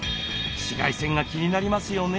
紫外線が気になりますよね。